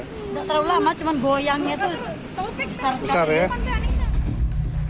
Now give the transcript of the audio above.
tidak terlalu lama cuma goyangnya itu besar sekali